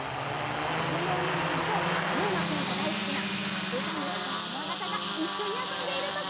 かずむおにいさんとりゅうまくんがだいすきなカブトムシとクワガタがいっしょにあそんでいるところです。